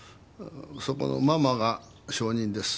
そこのママが証人です。